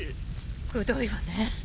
くどいわね